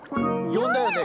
よんだよね？